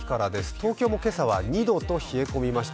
東京も今朝は２度と冷え込みました